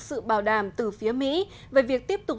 sự bảo đảm từ phía mỹ về việc tiếp tục